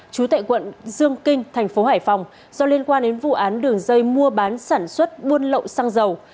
trú tại quận dương kinh thành phố hải phòng do liên quan đến vụ án đường dây mua bán sản xuất buôn lậu xăng dầu